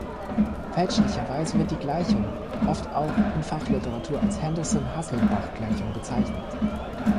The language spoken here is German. Fälschlicherweise wird die Gleichung, oft auch in Fachliteratur, als Henderson-Hassel"bach"-Gleichung bezeichnet.